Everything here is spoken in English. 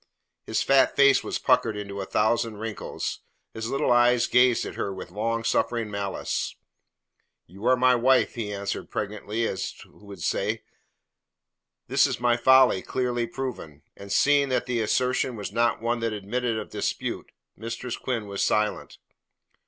His fat face was puckered into a thousand wrinkles. His little eyes gazed at her with long suffering malice. "You are my wife," he answered pregnantly, as who would say: Thus is my folly clearly proven! and seeing that the assertion was not one that admitted of dispute, Mistress Quinn was silent.